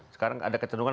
sekarang ada ketentuan